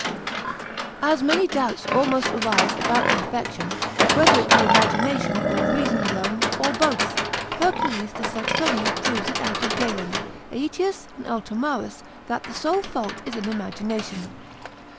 As many doubts almost arise about the affection, whether it be imagination or reason alone, or both, Hercules de Saxonia proves it out of Galen, Aetius, and Altomarus, that the sole fault is in imagination.